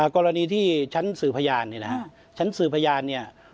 กรณีที่ชั้นสือพยานชั้นสือพยานเนี่ย